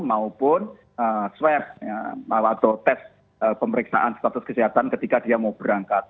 maupun swab atau tes pemeriksaan status kesehatan ketika dia mau berangkat